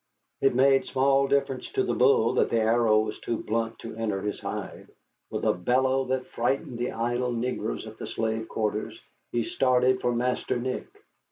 It made small difference to the bull that the arrow was too blunt to enter his hide. With a bellow that frightened the idle negroes at the slave quarters, he started for Master Nick.